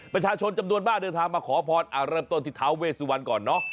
ประชาชนจำนวนมากเดินทางมาขอพรเริ่มต้นที่ท้าเวสุวรรณก่อนเนอะ